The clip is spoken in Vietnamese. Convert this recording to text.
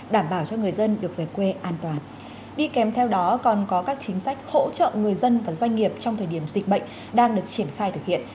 đi kèm theo đó còn có các chính sách hỗ trợ người dân và doanh nghiệp trong thời điểm dịch bệnh đang được triển khai thực hiện